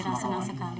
saya senang sekali